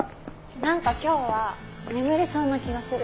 何か今日は眠れそうな気がする。